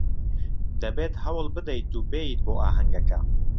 دەبێت هەوڵ بدەیت و بێیت بۆ ئاهەنگەکە.